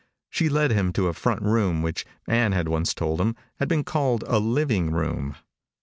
She led him into a front room which, Ann had once told him, had been called a living room.